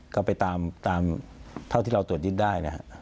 ก็ไปตามเท่าที่เราตรวจยึดได้นะครับ